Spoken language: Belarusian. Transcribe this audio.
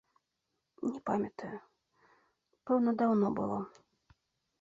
Не памятаю, пэўна, даўно было.